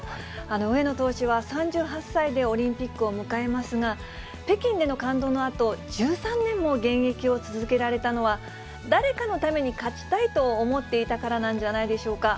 上野投手は３８歳でオリンピックを迎えますが、北京での感動のあと、１３年も現役を続けられたのは、誰かのために勝ちたいと思っていたからなんじゃないでしょうか。